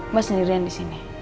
mbak sendirian disini